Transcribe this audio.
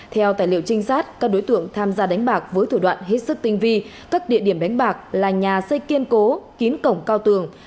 theo tài liệu trinh sát các đối tượng tham gia đánh bạc với thủ đoạn hết sức tinh vi các địa điểm đánh bạc là nhà xây kiên cố kín cổng cao tường